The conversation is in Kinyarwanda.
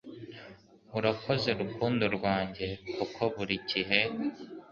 Urakoze rukundo rwanjye kuko buri gihe